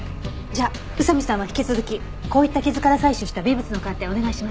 じゃあ宇佐見さんは引き続きこういった傷から採取した微物の鑑定お願いします。